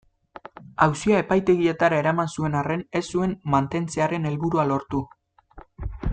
Auzia epaitegietara eraman zuen arren ez zuen mantentzearen helburua lortu.